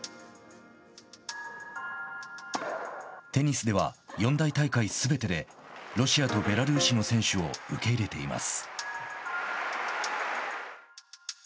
テニスでは四大大会すべてでロシアとベラルーシの選手を受け入れています。